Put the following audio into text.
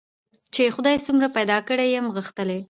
چي خدای څومره پیدا کړی یم غښتلی